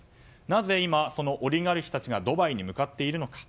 なぜ今、そのオリガルヒたちがドバイに向かっているのか。